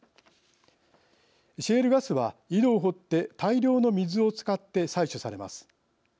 シェールガスは井戸を掘って大量の水を使って採取されます。